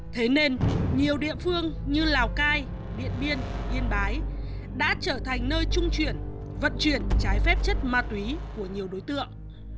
thế nên nhiều địa phương như lào cai điện biên yên bái đã trở thành nơi trung chuyển vận chuyển trái phép chất ma túy của nhiều đối tượng